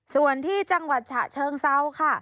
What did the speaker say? ส่วนที่จังหวัดฉะเชิงเซาค่ะ